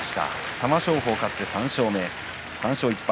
玉正鳳勝って３勝目、３勝１敗。